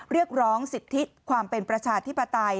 เรียกร้องสิทธิความเป็นประชาธิปไตย